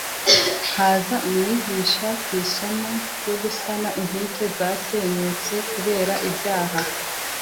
haza umwigisha ku isomo ryo gusana inkike zasenyutse kubera ibyaha.